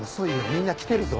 みんな来てるぞ。